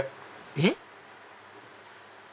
えっ？